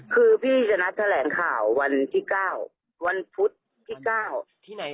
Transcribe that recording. ก็พี่จะไปกับเขา